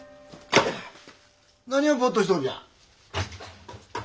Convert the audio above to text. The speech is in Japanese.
何をボッとしとるんじゃ？